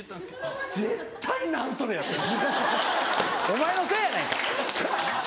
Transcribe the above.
お前のせいやないか。